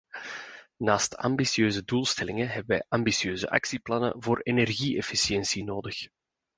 Naast ambitieuze doelstellingen hebben wij ambitieuze actieplannen voor energie-efficiëntie nodig.